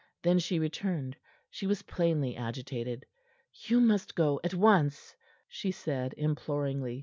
Then she returned. She was plainly agitated. "You must go at once," she said, imploringly.